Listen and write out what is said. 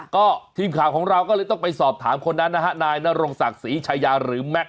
ก็ทีมข่าวของเราก็เลยต้องไปสอบถามคนนั้นนะฮะนายนรงศักดิ์ศรีชายาหรือแม็กซ